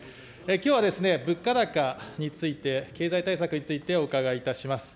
きょうはですね、物価高について、経済対策についてお伺いいたします。